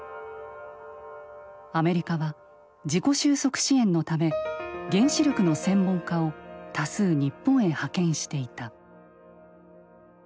アメリカは事故収束支援のため原子力の専門家を多数日本へ派遣していた。